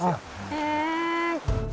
へえ。